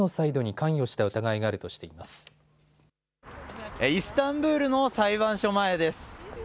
イスタンブールの裁判所前です。